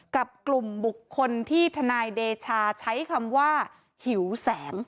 กับกลุ่มบุคคลที่ทนายเดชาใช้คำว่าหิวแสง